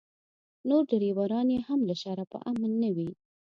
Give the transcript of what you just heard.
نور ډریوران یې هم له شره په امن نه وي.